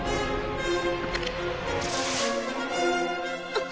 あっ！